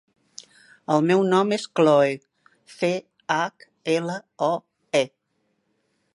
El meu nom és Chloe: ce, hac, ela, o, e.